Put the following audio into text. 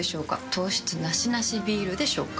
糖質ナシナシビールでしょうか？